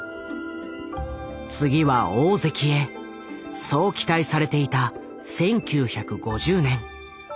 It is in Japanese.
次は大関へそう期待されていた１９５０年。